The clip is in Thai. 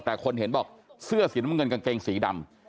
แต่คนเห็นบอกเสื้อสีน้ำเงินกางเกงสีดำ